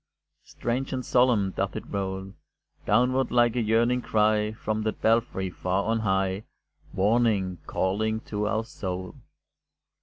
Strange and solemn doth it roll Downward like a yearning cry, From that belfry far on high, Warning, calling to our soul.